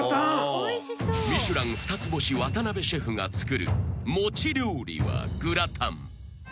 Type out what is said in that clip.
［『ミシュラン』二つ星渡辺シェフが作る餅料理はグラタン］